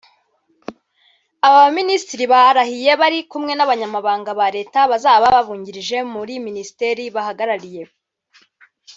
Aba ba minisitiri barahiye bari kumwe na banyamabanga ba leta bazaba babungirije muri minisiteri bahagarariye